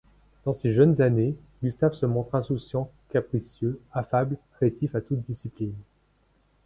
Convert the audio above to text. Dans ses jeunes années, Gustave se montre insouciant, capricieux, affable, rétif à toute discipline.